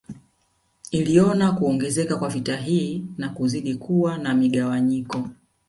Iliona kuongezeka kwa vita hii na kuzidi kuwa na migawanyiko